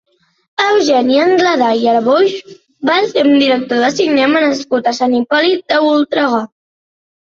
Eugeni Anglada i Arboix va ser un director de cinema nascut a Sant Hipòlit de Voltregà.